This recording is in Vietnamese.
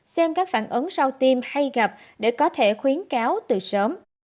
xem các phản ứng sau tim hay gặp để có thể khuyến cáo từ sớm